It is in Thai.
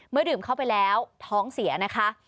ดื่มเข้าไปแล้วท้องเสียนะคะ